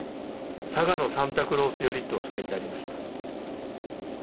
佐賀のサンタクロースよりと書いてありました。